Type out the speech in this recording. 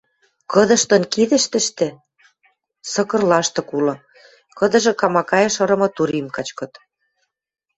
Кыдыштын кидӹштӹштӹ сыкыр лаштык улы, кыдыжы камакаэш ырымы турим качкыт.